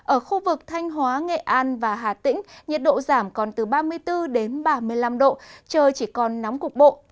ở khu vực thanh hóa nghệ an và hà tĩnh nhiệt độ giảm còn từ ba mươi bốn đến ba mươi năm độ trời chỉ còn nóng cục bộ